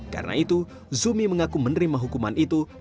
karena itu zumi mengaku menerima hukuman itu